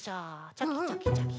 チョキチョキチョキ。